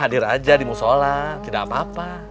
hadir aja di musola tidak apa apa